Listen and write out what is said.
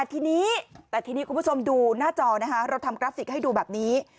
ทีนี้แต่ทีนี้คุณผู้ชมดูหน้าจอนะคะเราทำกราฟิกให้ดูแบบนี้